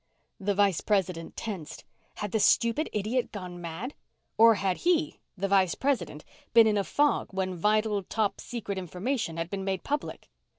The Vice President tensed. Had the stupid idiot gone mad? Or had he, the Vice President, been in a fog when vital, top secret information had been made public?